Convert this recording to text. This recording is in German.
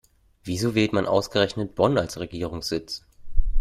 Wieso wählte man ausgerechnet Bonn als Regierungssitz?